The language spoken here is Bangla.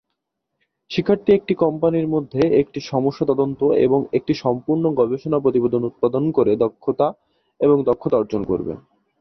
শিক্ষার্থী একটি কোম্পানির মধ্যে একটি সমস্যা তদন্ত এবং একটি সম্পূর্ণ গবেষণা প্রতিবেদন উৎপাদন করে দক্ষতা এবং দক্ষতা অর্জন করবে।